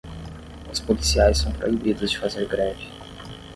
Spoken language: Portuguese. Os policiais são proibidos de fazer greve